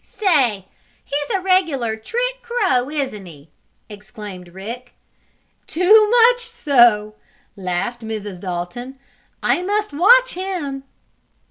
"Say, he's a regular trick crow; isn't he?" exclaimed Rick. "Too much so!" laughed Mrs. Dalton. "I must watch him."